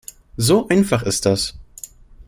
So einfach ist das!